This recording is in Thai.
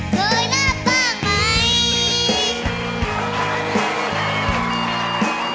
โทยละบ้างไหม